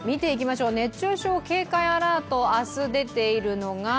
熱中症警戒アラート、明日出ているのが。